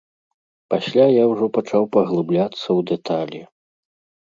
Пасля я ўжо пачаў паглыбляцца ў дэталі.